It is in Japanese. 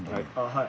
はい。